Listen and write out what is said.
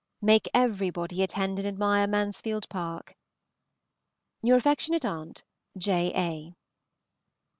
Make everybody at Hendon admire "Mansfield Park." Your affectionate aunt, J. A.